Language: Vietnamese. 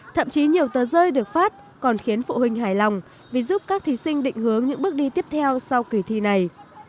thậm chí nhiều tờ rơi được phát còn khiến phụ huynh hài lòng vì giúp các thí sinh định hướng những bước đi tiếp theo sau kỳ thi này